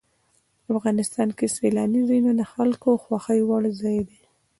افغانستان کې سیلاني ځایونه د خلکو خوښې وړ ځای دی.